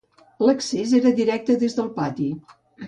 L'accés era directe des del pati.